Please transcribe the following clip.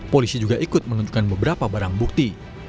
polisi juga ikut menentukan beberapa barang bukti